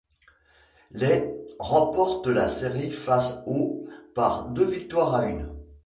Les ' remportent la série face aux ' par deux victoires à une.